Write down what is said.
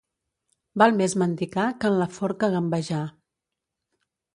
Val més mendicar que en la forca gambejar.